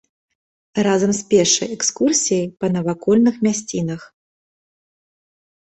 Разам з пешай экскурсіяй па навакольных мясцінах.